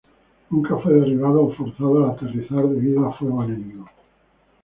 Nunca fue derribado o forzado a aterrizar debido a fuego enemigo.